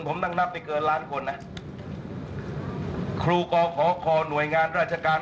ผมนั่งนับไปเกินล้านคนนะครูกขอคอหน่วยงานราชการ